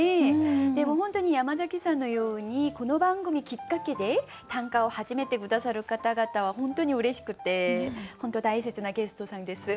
でも本当に山崎さんのようにこの番組きっかけで短歌を始めて下さる方々は本当にうれしくて本当大切なゲストさんです。